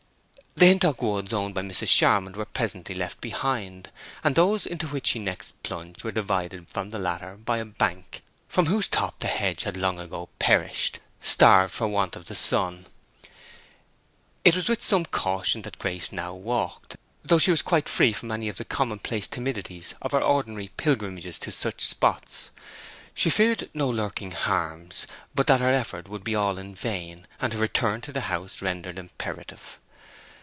The Hintock woods owned by Mrs. Charmond were presently left behind, and those into which she next plunged were divided from the latter by a bank, from whose top the hedge had long ago perished—starved for want of sun. It was with some caution that Grace now walked, though she was quite free from any of the commonplace timidities of her ordinary pilgrimages to such spots. She feared no lurking harms, but that her effort would be all in vain, and her return to the house rendered imperative.